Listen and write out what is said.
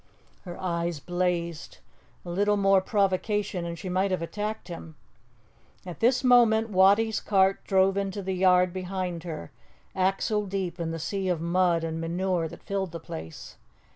Her eyes blazed. A little more provocation, and she might have attacked him. At this moment Wattie's cart drove into the yard behind her, axle deep in the sea of mud and manure that filled the place.